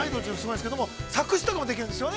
作詞とかもできるんですよね。